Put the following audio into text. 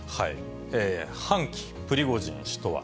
反旗、プリゴジン氏とは。